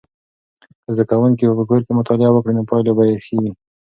که زده کوونکي په کور کې مطالعه وکړي نو پایلې به یې ښې وي.